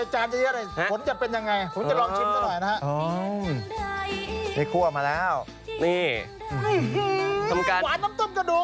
หวานน้ำต้มกระดูก